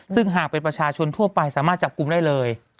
ซึ่งหากเป็นประชาชนทั่วไปสามารถจับกลุ่มได้เลย